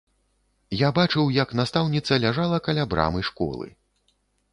Я бачыў, як настаўніца ляжала каля брамы школы.